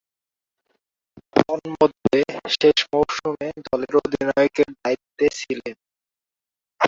তন্মধ্যে, শেষ মৌসুমে দলের অধিনায়কের দায়িত্বে ছিলেন।